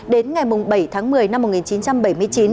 đến ngày bảy tháng một mươi năm một nghìn chín trăm bảy mươi chín